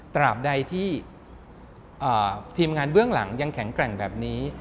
ตราบใดที่ทีมงานเบื้องหลังยังแข็งแกร่งแบบนี้